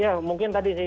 ya mungkin tadi ini